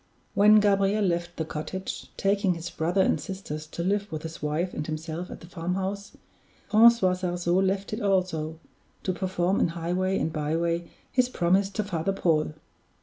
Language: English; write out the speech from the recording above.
When Gabriel left the cottage, taking his brother and sisters to live with his wife and himself at the farmhouse, Francois Sarzeau left it also, to perform in highway and byway his promise to Father Paul.